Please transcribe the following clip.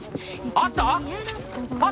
あった！？